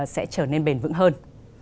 sẽ trở nên bền vững hơn